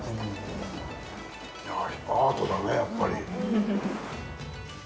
いやぁ、アートだね、やっぱり。